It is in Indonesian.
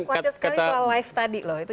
khawatir sekali soal live tadi loh